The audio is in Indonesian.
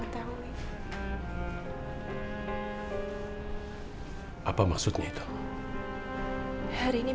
karena apapun yang kami mieliai